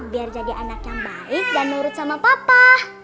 biar jadi anak yang baik dan nurut sama papa